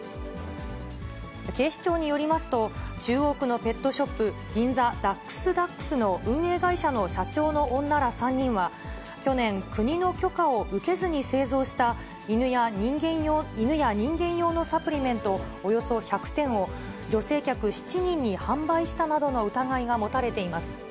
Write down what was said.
警視庁によりますと、中央区のペットショップ、銀座ダックスダックスの運営会社の社長の女ら３人は、去年、国の許可を受けずに製造した犬や人間用のサプリメントおよそ１００点を、女性客７人に販売したなどの疑いが持たれています。